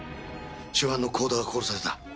主犯の甲田が殺された。